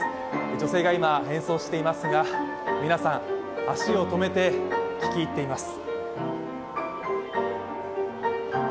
女性が今、演奏していますが皆さん、足を止めて聞き入っています。